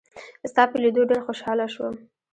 ستا په لیدو ډېر خوشاله شوم.